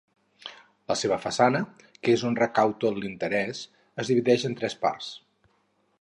La seva façana, que és on recau tot l'interès, es divideix en tres parts.